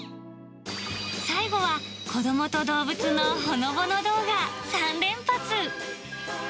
最後は、子供と動物のほのぼの動画３連発！